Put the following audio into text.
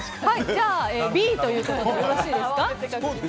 じゃあＢということでよろしいですか。